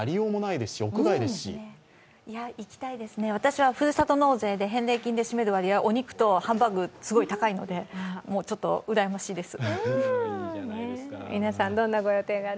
いきたいですね、私はふるさと納税で返戻金で占める割合はお肉とハンバーグがすごい高いので、ちょっとうらやましいです。